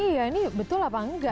iya ini betul apa enggak